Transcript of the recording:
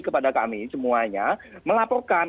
kepada kami semuanya melaporkan